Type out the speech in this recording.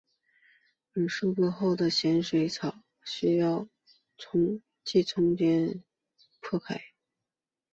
而收割后的咸水草需要即时从中间破开。